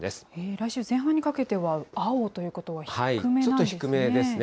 来週前半にかけては、青ということは、低めなんですね。